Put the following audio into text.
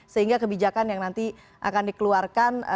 sehingga kebijakan yang nanti akan dikeluarkan